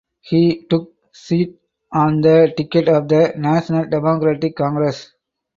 He took seat on the ticket of the National Democratic Congress.